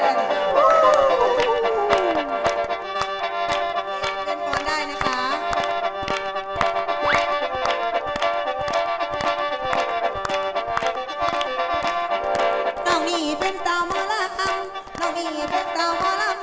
น้องนี่เป็นเตาหมอหลังน้องนี่เป็นเตาหมอหลัง